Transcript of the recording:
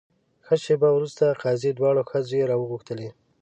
ښه شېبه وروسته قاضي دواړه ښځې راوغوښتلې.